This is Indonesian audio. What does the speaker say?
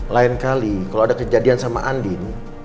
lain kali kalau ada kejadian sama andin